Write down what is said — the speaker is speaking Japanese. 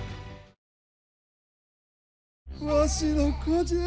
わしの子じゃ！